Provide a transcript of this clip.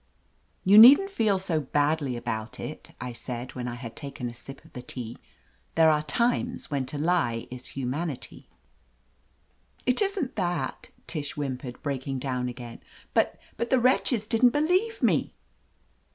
"You needn't feel so badly about it," I said, when I had taken a sip of the tea. "There are times when to lie is humanity." "It isn't that," Tish whimpered, breaking 293 THE AMAZING ADVENTURES down again, "but — but the wretches didn't be lieve me